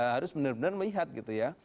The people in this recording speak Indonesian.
harus benar benar melihat gitu ya